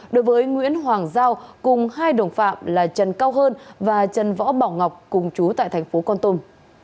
đối với nguyễn hoàng giao cùng hai đồng phạm là trần cao hơn và trần võ bảo ngọc cùng chú tại thành phố con tum